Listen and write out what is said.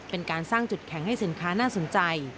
เป็นการสร้างจุดแข็งให้สินค้าน่าสนใจ